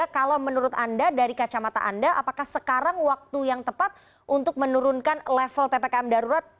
kalau menurut anda dari kacamata anda apakah sekarang waktu yang tepat untuk menurunkan level ppkm darurat